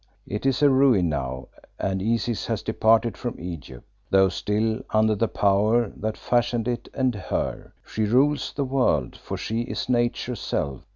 It is a ruin now, and Isis has departed from Egypt, though still under the Power that fashioned it and her: she rules the world, for she is Nature's self.